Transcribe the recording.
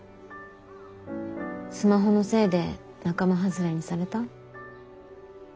スマホのせいで仲間外れにされた？